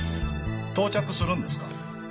到着するんですか？